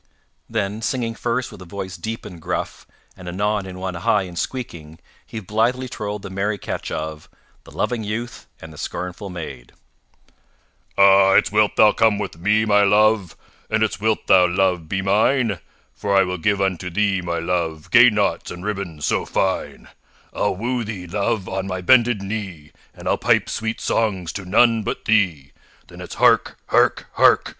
Then, singing first with a voice deep and gruff, and anon in one high and squeaking, he blithely trolled the merry catch of THE LOVING YOUTH AND THE SCORNFUL MAID "_Ah, it's wilt thou come with me, my love? And it's wilt thou, love, be mine? For I will give unto thee, my love, Gay knots and ribbons so fine. I'll woo thee, love, on my bended knee, And I'll pipe sweet songs to none but thee. Then it's hark! hark! hark!